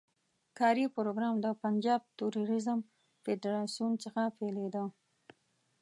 کاري پروګرام د پنجاب توریزم فدراسیون څخه پیلېده.